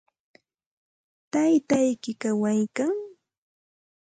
¿Taytayki kawaykan?